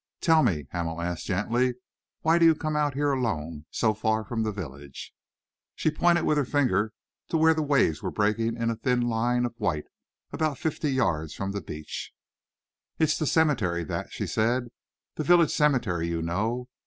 "Tell me," Hamel asked gently, "why do you come out here alone, so far from the village?" She pointed with her finger to where the waves were breaking in a thin line of white, about fifty yards from the beach. "It's the cemetery, that," she said, "the village cemetery, you know.